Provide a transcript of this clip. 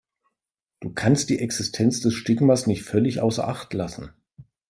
Du kannst die Existenz des Stigmas nicht völlig außer Acht lassen.